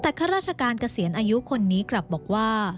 ปุ่มประหลาจะไปอายุนี้กลับบอกว่า